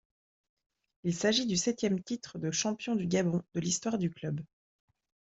Il s'agit du septième titre de champion du Gabon de l'histoire du club.